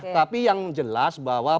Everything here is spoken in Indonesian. tapi yang jelas bahwa